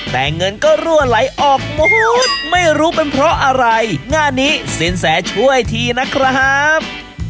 แต่เงินก็รั่วไหลออกหมดไม่รู้เป็นเพราะอะไรงานนี้สินแสช่วยทีนะครับ